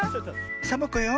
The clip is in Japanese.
サボ子よ。